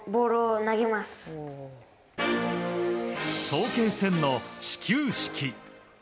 早慶戦の始球式。